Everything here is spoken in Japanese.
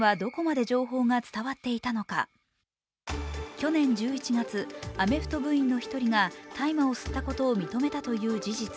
去年１１月、アメフト部員の１人が大麻を吸ったことを認めていたという事実。